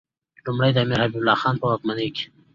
لومړی د امیر حبیب الله خان په واکمنۍ کې.